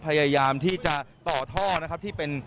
พยายามที่จะต่อท่อนะครับที่เป็น